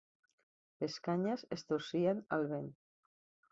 Les canyes es torcien al vent.